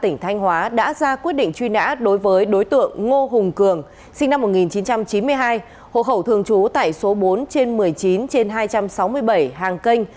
năm một nghìn chín trăm chín mươi hai hộ khẩu thường trú tại số bốn trên một mươi chín trên hai trăm sáu mươi bảy hàng kênh